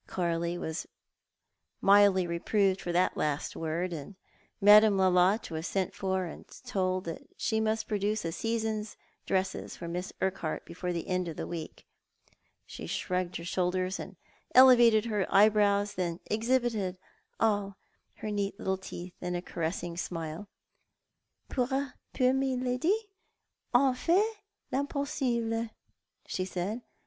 Coralie was mildly reproved for that last word, and Madame Lolotte was sent for and told that she must produce a season's dresses for ^liss Urquhart before the end of the week. She shrugged her shoulders and elevated her eyebrows, and then exhibited all her neat little teeth in a caressing smile. " Pour Miladi on fait riinpossible," she said.